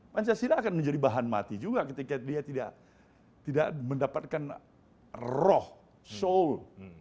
pancasila akan menjadi bahan mati juga ketika dia tidak mendapatkan roh soul